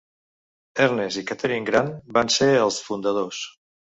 Ernest i Catharine Grant en van ser els fundadors.